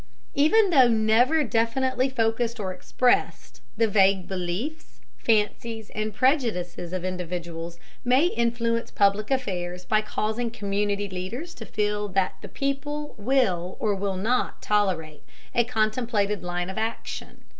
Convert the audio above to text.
Even though never definitely focused or expressed, the vague beliefs, fancies, and prejudices of individuals may influence public affairs by causing community leaders to feel that "the people" will or will not tolerate a contemplated line of action.